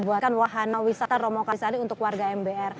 buatkan wahana wisata ropo kalisari untuk warga mbr